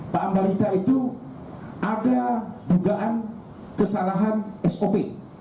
pak ambarita itu ada dugaan kesalahan sop